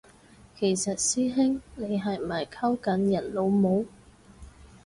其實師兄你係咪溝緊人老母？